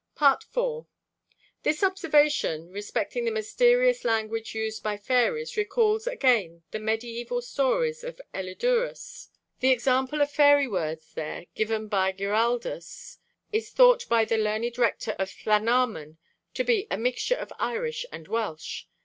IV. This observation respecting the mysterious language used by fairies recalls again the medieval story of Elidurus. The example of fairy words there given by Giraldus is thought by the learned rector of Llanarmon to be 'a mixture of Irish and Welsh.